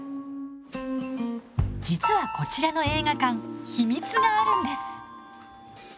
実はこちらの映画館秘密があるんです。